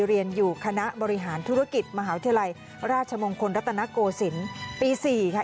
เรียนอยู่คณะบริหารธุรกิจมหาวิทยาลัยราชมงคลรัตนโกศิลป์ปี๔ค่ะ